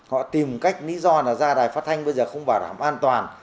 họ tìm cách lý do là ra đài phát thanh bây giờ không bảo đảm an toàn